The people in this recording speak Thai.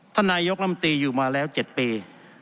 ท่านนายกลำตีอยู่มาแล้ว๗ปี